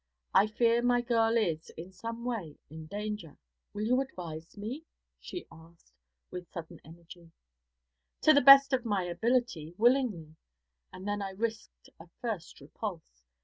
I fear my girl is, in some way, in danger. Will you advise me?' she asked, with sudden energy. 'To the best of my ability, willingly.' And then I risked a first repulse.